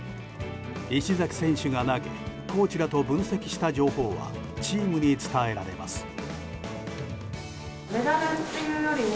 石崎選手が投げコーチらと分析した情報はチームに伝えられます。